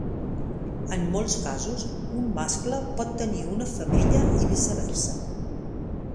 En molts casos, un mascle pot tenir una femella i viceversa.